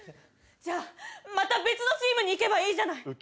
じゃあまた別のチームに行けばいいじゃない。